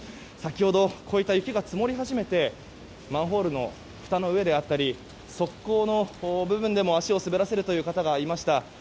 先ほど、こういった雪が積もり始めてマンホールのふたの上であったり側溝の部分でも足を滑らせる方がいました。